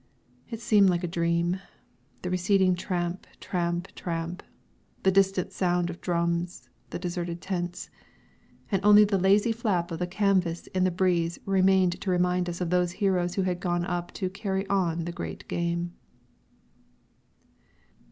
It seemed like a dream. The receding tramp, tramp, tramp, the distant sound of drums, the deserted tents. And only the lazy flap of the canvas in the breeze remained to remind us of those heroes who have gone up to "carry on" the great game.